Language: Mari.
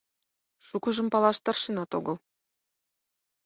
Шукыжым палаш тыршенат огыл.